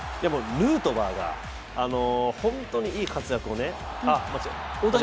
ヌートバーがホントにいい活躍をね